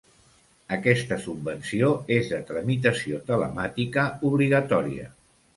Aquesta subvenció és de tramitació telemàtica obligatòria.